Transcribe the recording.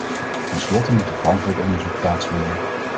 Ten slotte moet er verantwoord onderzoek plaatsvinden.